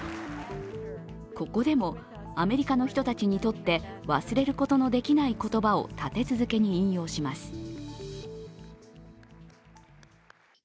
ここでもアメリカの人たちにとって忘れることのできない言葉を立て続けに引用します。